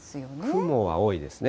雲は多いですね。